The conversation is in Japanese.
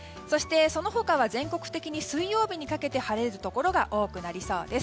その他は全国的に水曜日にかけて晴れるところが多くなりそうです。